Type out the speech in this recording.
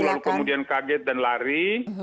lalu kemudian kaget dan lari